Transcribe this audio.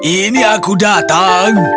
ini aku datang